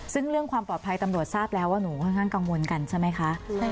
ซึ่งเรื่องความปลอดภัยตำรวจทราบแล้วว่าหนูค่อนข้างกังวลกันใช่ไหมคะ